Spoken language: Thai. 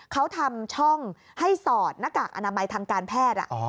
เขาทำช่องให้สอดหน้ากากอนามัยทางการแพทย์